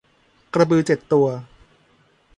กระบือเจ็ดตัว